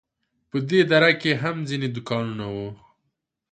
په دې دره کې هم ځینې دوکانونه وو.